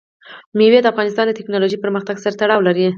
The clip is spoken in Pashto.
مېوې د افغانستان د تکنالوژۍ پرمختګ سره تړاو لري.